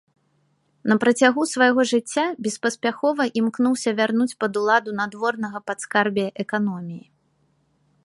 На працягу свайго жыцця беспаспяхова імкнуўся вярнуць пад уладу надворнага падскарбія эканоміі.